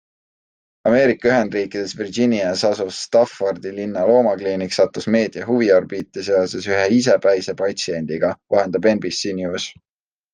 Ameerika Ühendriikides Virginias asuv Staffordi linna loomakliinik sattus meedia huviorbiiti seoses ühe isepäise patsiendiga, vahendab NBC News.